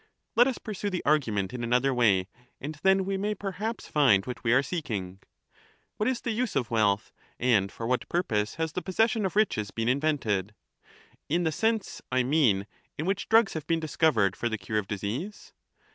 Let us pursue the argument in another way ; and then we may perhaps find what we are seeking. What is the use of wealth, and for what purpose has the possession of riches been invented, — in the sense, I mean, in which drugs have been discovered for the cure of disease?